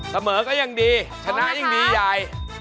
เสมอก็ยังดีชนะยังดีใหญ่